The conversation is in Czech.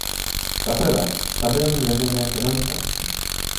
Zaprvé, stabilní veřejné finance.